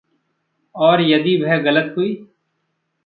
और यदि वह ग़लत हुई?